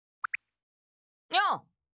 よう！